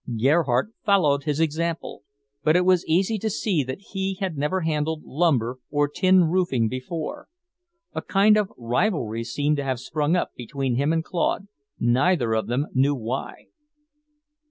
Gerhardt followed his example, but it was easy to see that he had never handled lumber or tin roofing before. A kind of rivalry seemed to have sprung up between him and Claude, neither of them knew why.